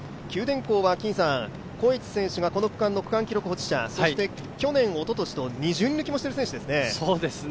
九電工はコエチ選手がこの区間の区間記録保持者そして去年、おととしと２０人抜きもしている選手ですね。